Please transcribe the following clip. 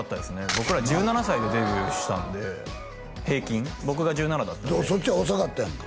僕ら１７歳でデビューしたんで平均僕が１７だったんでそっちは遅かったやんか